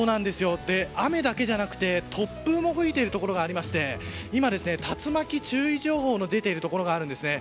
雨だけじゃなくて、突風も吹いているところがありまして今、竜巻注意情報も出ているところがあるんですね。